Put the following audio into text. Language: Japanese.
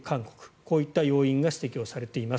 こういった要因が指摘されています。